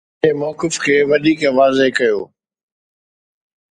هن پنهنجي موقف کي وڌيڪ واضح ڪيو.